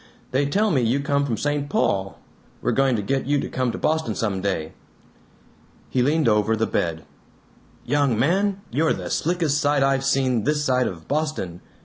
They tell me you come from St. Paul. We're going to get you to come to Boston some day." He leaned over the bed. "Young man, you're the slickest sight I've seen this side of Boston.